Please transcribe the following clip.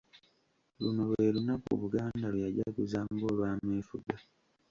Luno lwe lunaku Buganda lw’ejaguza ng’olwameefuga.